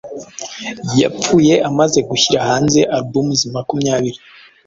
Yapfuye amaze gushyira hanze albums makumyabiri